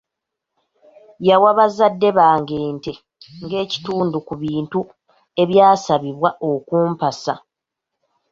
Yawa bazadde bange ente ng'ekitundu ku bintu ebyasabibwa okumpasa.